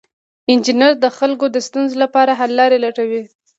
انجینر د خلکو د ستونزو لپاره حل لارې لټوي.